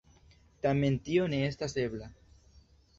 Tamen tio ne estas ebla.